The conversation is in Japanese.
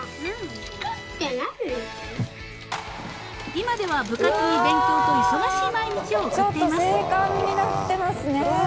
［今では部活に勉強と忙しい毎日を送っています］